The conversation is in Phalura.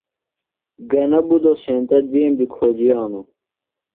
گہ نہ بُدو سینتہ دُوئیم دی کھوجِیانوۡ۔